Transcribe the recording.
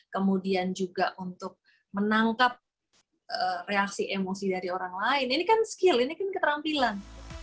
kemudian juga untuk menangkap reaksi emosi dari orang lain ini kan skill ini kan keterampilan